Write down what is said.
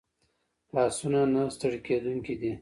لاسونه نه ستړي کېدونکي دي